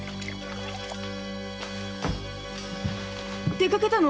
出かけたの？